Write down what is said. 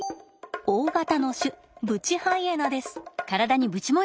大型の種ブチハイエナです。